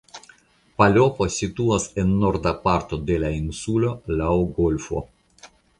Palopo situas en norda parto de la insulo laŭ golfo.